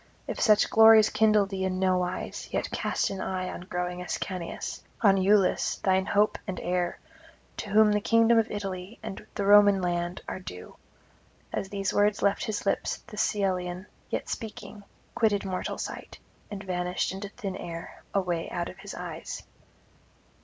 if such glories kindle thee in nowise, yet cast an eye on growing Ascanius, on Iülus thine hope and heir, to whom the kingdom of Italy and the Roman land are due.' As these words left his lips the Cyllenian, yet speaking, quitted mortal sight and vanished into thin air away out of his eyes.